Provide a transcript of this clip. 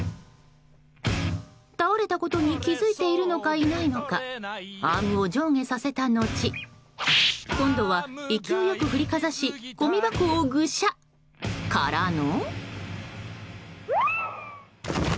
倒れたことに気付いているのかいないのかアームを上下させた後今度は勢い良く振りかざしごみ箱をぐしゃっ！からの？